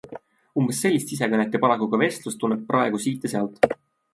Umbes sellist sisekõnet ja paraku ka vestlust tunneb praegu siit ja sealt.